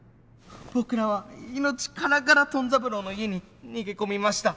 僕らは命からがらトン三郎の家に逃げ込みました。